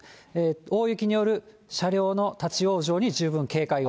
大雪による車両の立往生に十分警戒を。